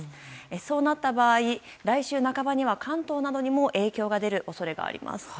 そうなった場合来週半ばには、関東などにも影響が出る恐れがあります。